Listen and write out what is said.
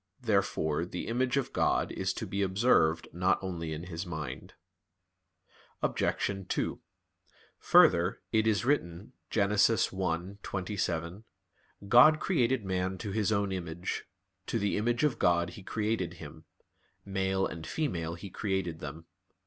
Therefore the image of God is to be observed not only in his mind. Obj. 2: Further, it is written (Gen. 1:27): "God created man to His own image; to the image of God He created him; male and female He created them."